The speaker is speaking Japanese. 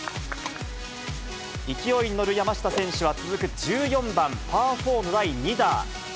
勢いに乗る山下選手は、続く１４番パー４の第２打。